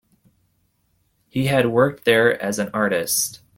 He had worked there as an artist.